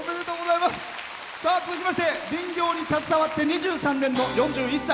続いては林業に携わって２３年の４１歳。